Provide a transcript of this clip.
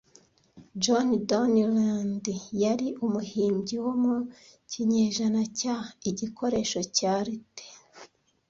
John Downland yari umuhimbyi wo mu kinyejana cya igikoresho cya Lute